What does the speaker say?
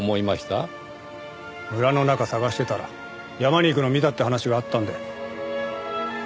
村の中捜してたら山に行くのを見たって話があったんで。